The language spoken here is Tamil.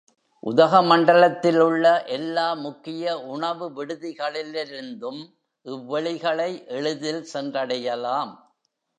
உதகமண்டலத்திலுள்ள எல்லா முக்கிய உணவு விடுதிகளிலிருந்தும் இவ் வெளிகளை எளிதில் சென்றடையலாம்.